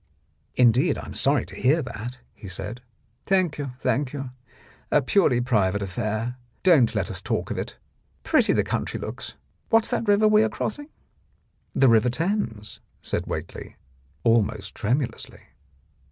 "Indeed, I am sorry to hear that," he said. "Thank you, thank you. A purely private affair. Don't let us talk of it. Pretty the country looks. What's that river we are crossing ?" "The River Thames," said Whately almost tremulously.